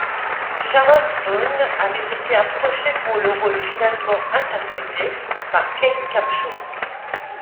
Sharon Stone avait été approchée pour le rôle finalement interprété par Kate Capshaw.